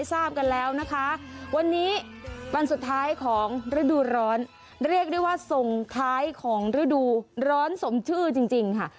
เรียกได้ว่าส่งท้ายของฤดูร้อนสมชื่อจริงค่ะ